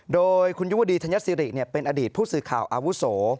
โดยคุณยุวดีธัญสิริเป็นอดีตผู้สื่อข่าวอาวุโส